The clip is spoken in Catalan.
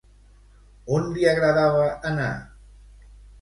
On li agradava anar?